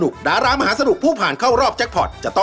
กรรมทุนโมนอัตโธภาพบท